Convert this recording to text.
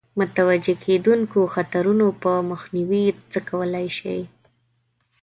متوجه کېدونکو خطرونو په مخنیوي څه کولای شي.